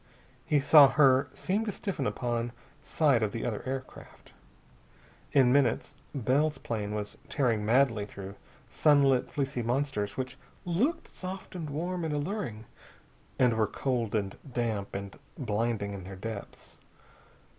He saw her seem to stiffen upon sight of the other aircraft. In minutes Bell's plane was tearing madly through sunlit fleecy monsters which looked soft and warm and alluring, and were cold and damp and blinding in their depths.